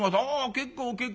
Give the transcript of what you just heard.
『結構結構。